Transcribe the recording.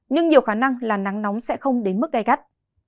nhưng nhiều khả năng là nắng nóng sẽ không đến mức gai gắt